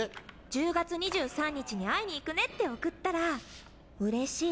「１０月２３日に会いに行くね？」って送ったら「嬉しい！